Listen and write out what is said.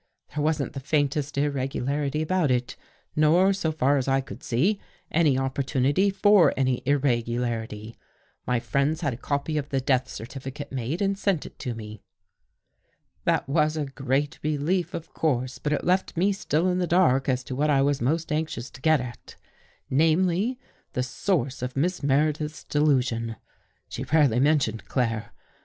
There wasn't the faintest irregu larity about it, nor, so far as I could see, any oppor tunity for any irregularity. My friends had a copy of the death certificate made and sent to me. " That was a great relief, of course, but it left me still in the dark as to what I was most anxious to get at; namely, the source of Miss Meredith's delusion. She rarely mentioned Claire.